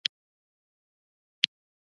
پاچا تل د ځان او کورنۍ په اړه فکر کوي.